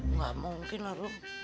enggak mungkin lah rum